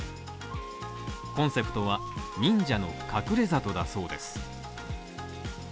コンセプトは、忍者の隠れ里だそうです。